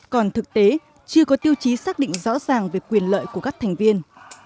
còn thực tế chưa có tiêu chí xác định rõ ràng về quyền lợi của các thành viên